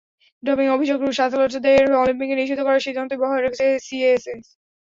ডোপিংয়ের অভিযোগে রুশ অ্যাথলেটদের অলিম্পিকে নিষিদ্ধ করার সিদ্ধান্তই বহাল রেখেছে সিএএস।